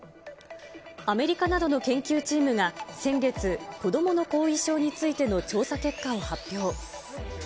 アメリカなどの研究チームが先月、子どもの後遺症についての調査結果を発表。